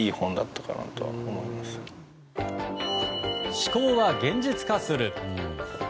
思考は現実化する。